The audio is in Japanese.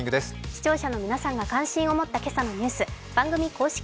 視聴者の皆さんが関心を持ったニュース番組公式